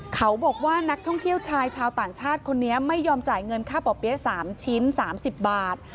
เขาบอกว่านักท่องเที่ยวชายชาวต่างชาติคนนี้ไม่ยอมจ่ายเงินค่าป่อเปี๊ยะ๓ชิ้น๓๐บาท